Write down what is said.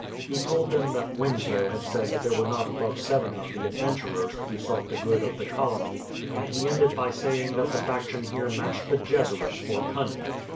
He told them that Winslow had said that there were not above seven of the adventurers who sought die good of the colony; and he ended by saying tliat the faction here matched the Jesuits for cunning.